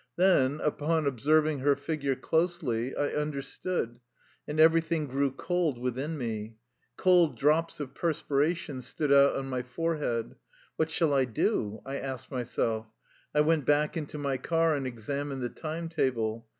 Then, upon observing her figure closely, I understood, and everything grew cold within me. Cold drops of perspiration stood out on my forehead. What shall I do? I asked myself. I went back into my car and examined the time table.